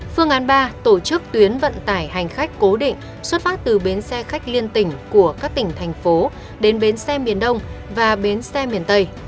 phương án ba tổ chức tuyến vận tải hành khách cố định xuất phát từ bến xe khách liên tỉnh của các tỉnh thành phố đến bến xe miền đông và bến xe miền tây